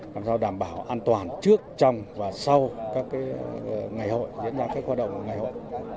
làm sao đảm bảo an toàn trước trong và sau các ngày hội những các hoạt động ngày hội